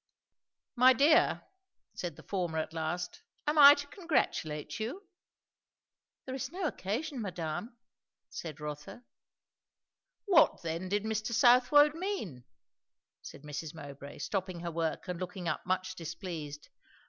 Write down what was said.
"My dear," said the former at last, "am I to congratulate you?" "There is no occasion, madame," said Rotha. "What then did Mr. Southwode mean?" said Mrs. Mowbray, stopping her work and looking up much displeased.